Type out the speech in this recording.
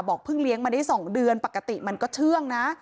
เพิ่งเลี้ยงมาได้๒เดือนปกติมันก็เชื่องนะ